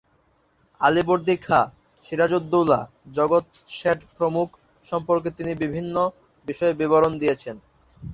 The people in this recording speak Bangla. আলীবর্দী খাঁ, সিরাজউদ্দৌলা, জগৎ শেঠ প্রমুখ সম্পর্কে তিনি বিভিন্ন বিষয়ে বিবরণ দিয়েছেন।